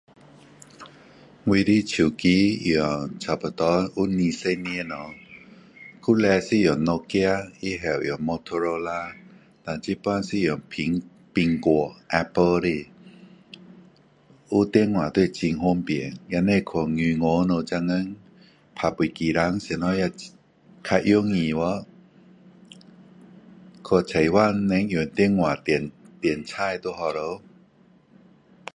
我的手机用差不多有二十年了以前是用诺基亚以后用摩托罗拉然后现在是用苹苹果 apple 的有电话就是很方便也不用去银行了现在打飞机票什么也比较容易了去菜馆人用电话点点菜都好了